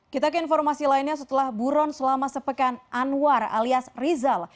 kita ke informasi lainnya setelah buron selama sepekan anwar alias rizal